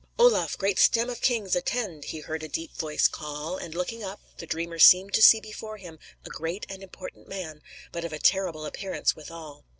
"Olaf, great stem of kings, attend!" he heard a deep voice call; and, looking up, the dreamer seemed to see before him "a great and important man, but of a terrible appearance withal."